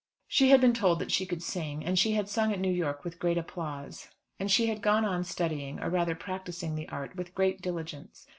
She had been told that she could sing, and she had sung at New York with great applause. And she had gone on studying, or rather practising, the art with great diligence.